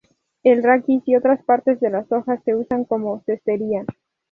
El raquis y otras partes de las hojas se usan para cestería.